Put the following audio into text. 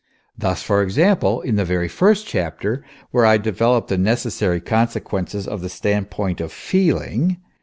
Thus, for example, in the very first chapter, where I develope the necessary consequences of the stand point of Feeling